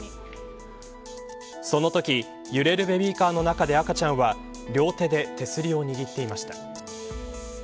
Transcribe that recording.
そのとき、揺れるベビーカーの中で赤ちゃんは両手で手すりを握っていました。